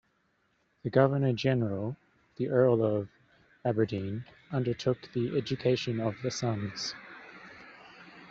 The Governor-General, the Earl of Aberdeen undertook the education of the sons.